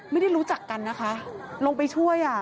ไม่ได้รู้จักกันนะคะลงไปช่วย